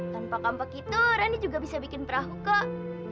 tanpa kampak itu rani juga bisa membuat perahu kok